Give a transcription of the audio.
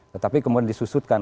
tetapi kemudian disusutkan